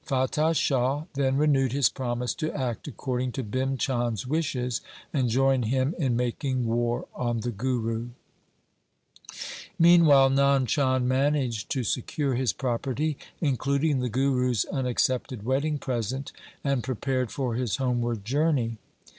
Fatah Shah then renewed his promise to act according to Bhim Chand' s wishes and join him in making war on the Guru. Meanwhile Nand Chand managed to secure his property, including the Guru's unaccepted wedding present, and prepared for his homeward journey.